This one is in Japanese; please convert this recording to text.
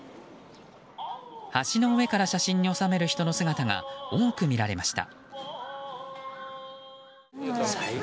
橋の上から写真に収める人の姿が多く見られました。